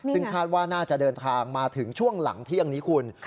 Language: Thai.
ซึ่งคาดว่าน่าจะเดินทางมาถึงช่วงหลังเที่ยงนี้คุณ